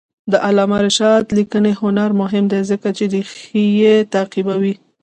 د علامه رشاد لیکنی هنر مهم دی ځکه چې ریښې تعقیبوي.